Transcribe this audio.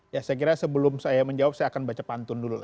ya saya kira sebelum saya menjawab saya akan baca pantun dulu